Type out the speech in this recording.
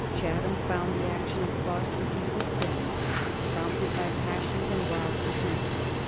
Chatham found the action of the Boston people criminal, prompted by passions and wild pretences.